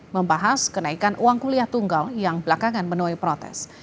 membahas kenaikan uang kuliah tunggal yang belakangan menuai protes